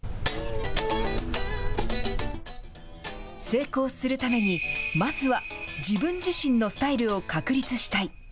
成功するために、まずは自分自身のスタイルを確立したい。